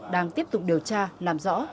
đang tiếp tục điều tra làm rõ